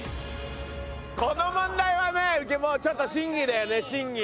この問題はねもうちょっと審議だよね審議。